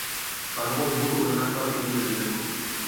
Badago modu erraz bat hori egiteko.